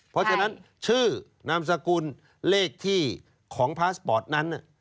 เพราะฉะนั้นชื่อนามสกุลเลขที่ของพาสปอร์ตนั้น